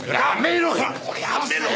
やめろ！